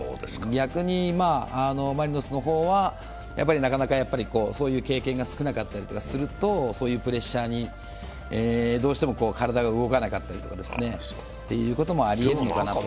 逆にマリノスの方はなかなかそういう経験が少なかったりすると、プレッシャーにどうしても体が動かなかったりということもありえるだろうと。